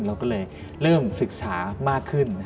เราก็เลยเริ่มศึกษามากขึ้น